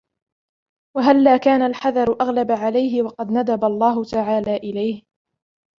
وَهَلَّا كَانَ الْحَذَرُ أَغْلَبَ عَلَيْهِ وَقَدْ نَدَبَ اللَّهُ تَعَالَى إلَيْهِ